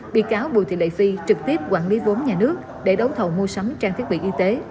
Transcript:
bị cáo bùi thị lệ phi trực tiếp quản lý vốn nhà nước để đấu thầu mua sắm trang thiết bị y tế